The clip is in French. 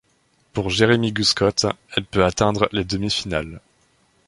Pour Jeremy Guscott, elle peut atteindre les demi-finales.